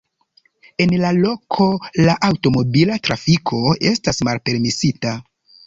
En la loko la aŭtomobila trafiko estas malpermesita.